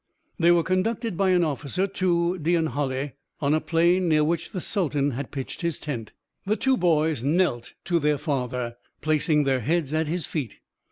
They were conducted by an officer to Deonhully, on a plain near which the sultan had pitched his tent. The two boys knelt to their father, placing their heads at his feet.